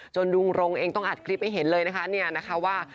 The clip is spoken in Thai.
จนรุงรงเองต้องอัดคลิปให้เห็นเลยว่า